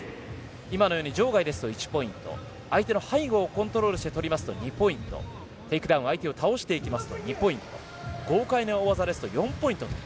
今のように場外ですと１ポイント相手の背後をコントロールして取りますと２ポイントテイクダウン、相手を倒すと２ポイント豪快な大技ですと４ポイントと。